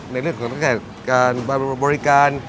ในเรื่องของตั้งแต่การบริการ